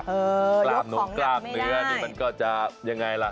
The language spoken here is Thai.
เออยกของอย่างไม่ได้ปราบนมกราบเนื้อนี่มันก็จะยังไงล่ะ